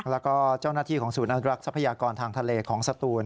แล้วก็เจ้าหน้าที่ของศูนย์อนุรักษ์ทรัพยากรทางทะเลของสตูน